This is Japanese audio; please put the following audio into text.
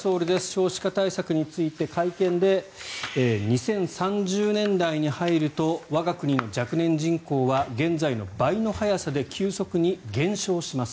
少子化対策について会見で、２０３０年代に入ると我が国の若年人口は現在の倍の速さで急速に減少します